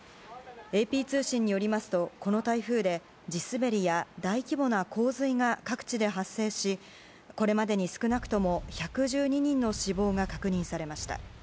ＡＰ通信によりますとこの台風で地滑りや大規模な洪水が各地で発生しこれまでに少なくとも１１２人の死亡が確認されました。